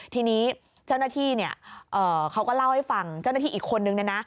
ทีนี้เจ้าหน้าที่เนี่ยเขาก็เล่าให้ฟังเจ้าหน้าที่อีกคนนึงเนี่ยนะ